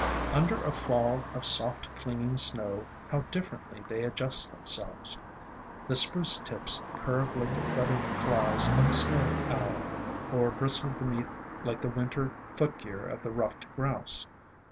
Under a fall of soft clinging snow how differently they adjust themselves. The AFTERMATH 337 Spruce tips curve like the feathered claws of the Snow Owl, or bristle beneath like the Winter foot .gear of. the ruffed grouse.